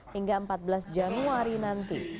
hingga empat belas januari nanti